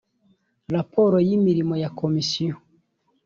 raporo y imirimo ya komisiyo